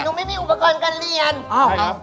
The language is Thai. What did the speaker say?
หนูไม่มีอุปกรณ์การเรียน